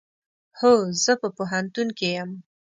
هو، زه په پوهنتون کې یم